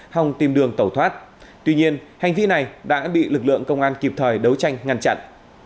hòng tìm đường tẩu thoát tuy nhiên hành vi này đã bị lực lượng công an kịp thời đấu tranh ngăn chặn